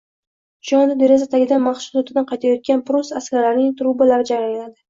Shu onda deraza tagidan mashg`ulotdan qaytayotgan pruss askarlarining trubalari jarangladi